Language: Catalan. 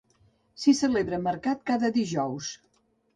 S'hi celebra mercat cada dijous.